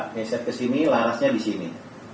ngeser ke sini larasnya di sini